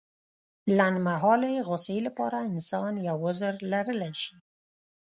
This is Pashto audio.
لنډمهالې غوسې لپاره انسان يو عذر لرلی شي.